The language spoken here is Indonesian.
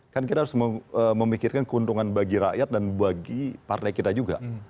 kan kita harus memikirkan keuntungan bagi rakyat dan bagi partai kita juga